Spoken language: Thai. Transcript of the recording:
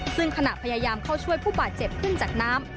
ซึ่งขณะพยายามเข้าช่วยผู้บาดเจ็บขึ้นจากน้ำ